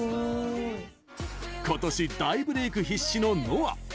今年大ブレイク必至のＮＯＡ。